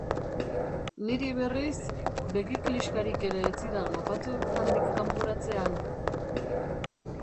Niri, berriz, begi klixkarik ere ez zidan opatu handik kanporatzean.